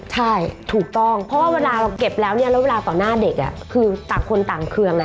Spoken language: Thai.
ใช่ถูกต้องเพราะว่าเวลาเราเก็บแล้วเนี่ยแล้วเวลาต่อหน้าเด็กคือต่างคนต่างเคือง